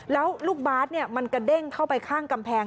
แล้วลูกบาทมันกระเด้งเข้าไปข้างกำแพง